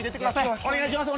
お願いします。